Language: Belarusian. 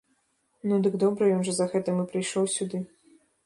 Ну, дык добра, ён жа за гэтым і прыйшоў сюды.